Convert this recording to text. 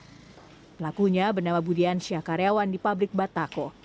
pelakunya bernama budian syah karyawan di pabrik batako